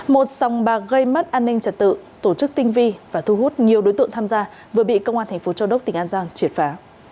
một sòng bạc gây mất an ninh trật tự tổ chức tinh vi và thu hút nhiều đối tượng tham gia vừa bị công an thành phố châu đốc tỉnh an giang triệt phá